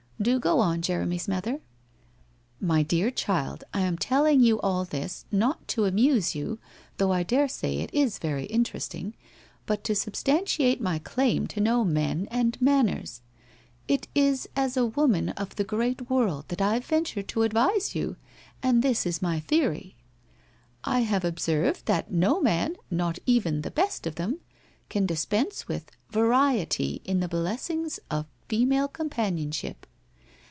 Do go on, Jeremy's mother.' 'My dear child. T am telling you all this, not to amuse you, though I daresay it is very interesting, but to sub stantiate my claim to know men and manners. It is as a unman of the great world that I venture to advise you, and this is my theory. I have observed that no man, not even the best of them, can dispense with variety in the blessings of female companionship.